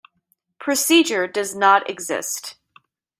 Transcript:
Procedure does not exist.